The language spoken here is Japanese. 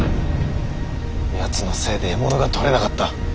やつのせいで獲物が取れなかった。